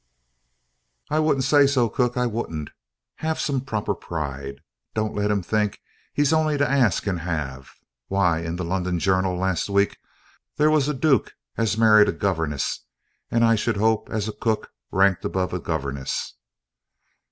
"I wouldn't say so, cook; I wouldn't. Have some proper pride. Don't let him think he's only to ask and have! Why, in the London Journal last week there was a dook as married a governess; and I should 'ope as a cook ranked above a governess.